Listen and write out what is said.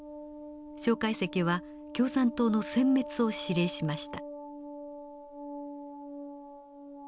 介石は共産党のせん滅を指令しました。